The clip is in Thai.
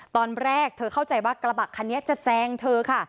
ตอนแรกเธอเข้าใจว่ากระบะคันนี้จะแซงเธอค่ะ